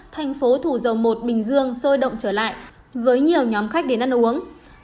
thành phố thủ dầu một bình dương sôi động trở lại với nhiều nhóm khách đến ăn uống